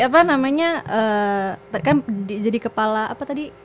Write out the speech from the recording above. apa namanya kan jadi kepala apa tadi